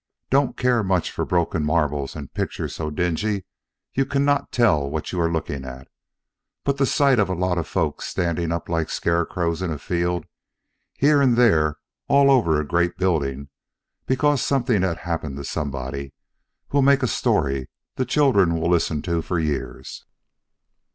Don't care much for broken marbles and pictures so dingy you cannot tell what you are looking at; but the sight of a lot of folks standing up like scarecrows in a field, here and there all over a great building, because something had happened to somebody, will make a story the children will listen to for years.